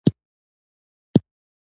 نیویارک جېانټ بیا په ملي لېګ کې مخکښ و.